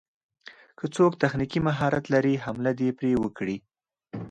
که څوک تخنيکي مهارت لري حمله دې پرې وکړي.